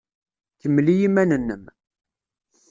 Kemmel i yiman-nnem.